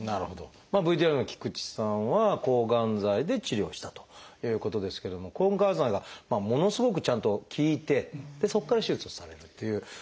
ＶＴＲの菊池さんは抗がん剤で治療したということですけども抗がん剤がものすごくちゃんと効いてそこから手術をされるっていう。